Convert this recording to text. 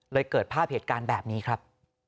เกิดภาพเหตุการณ์แบบนี้ครับ